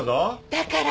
だから。